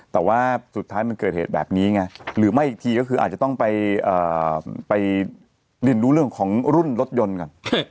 แต่ว่าสุดท้ายมันเกิดเหตุแบบนี้ไงหรือไม่อีกทีก็คืออาจจะต้องไปเรียนรู้เรื่องของรุ่นรถยนต์ก่อน